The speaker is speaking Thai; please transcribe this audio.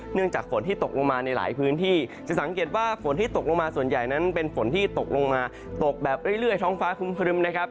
จากฝนที่ตกลงมาในหลายพื้นที่จะสังเกตว่าฝนที่ตกลงมาส่วนใหญ่นั้นเป็นฝนที่ตกลงมาตกแบบเรื่อยท้องฟ้าครึมนะครับ